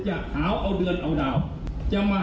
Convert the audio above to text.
แหม่และโฟเลียมก็ชั้งตั้ง